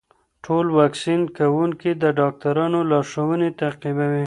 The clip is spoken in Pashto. ټول واکسین کوونکي د ډاکټرانو لارښوونې تعقیبوي.